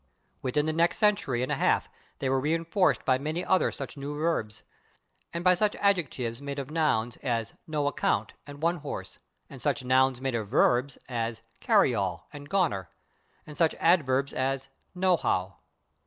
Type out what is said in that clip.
Within the next century and a half they were reinforced by many other such new verbs, and by such adjectives made of nouns as /no account/ and /one horse/, and such nouns made of verbs as /carry all/ and /goner/, and such adverbs as /no how